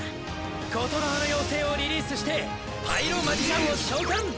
ことのはの妖精をリリースしてパイロ・マジシャンを召喚！